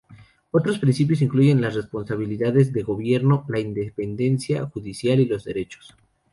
Otros principios incluyen las responsabilidades de gobierno, la independencia judicial y los derechos.